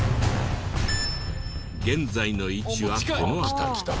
現在の位置はこの辺り。